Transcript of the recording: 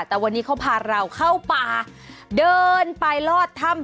แต่วันนี้เขาพาเราเข้าป่าเดินไปลอดถ้ำ